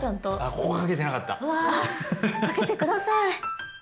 うわかけて下さい。